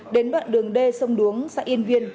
đến đoạn đường d sông đuống xã yên viên